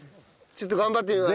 ちょっと頑張ってみます。